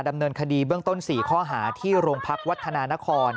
ดำเนินคดีเบื้องต้น๔ข้อหาที่โรงพักวัฒนานคร